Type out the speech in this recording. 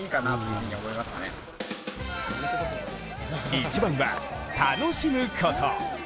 一番は楽しむこと。